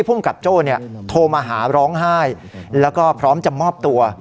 ภูมิกับโจ้โทรมาหาร้องไห้แล้วก็พร้อมจะมอบตัว